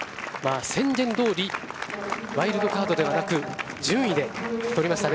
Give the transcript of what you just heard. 宣言通りワイルドカードではなく順位でとりましたね